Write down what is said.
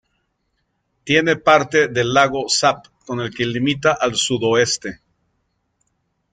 Tiene parte del lago Sap con el que limita al sudoeste.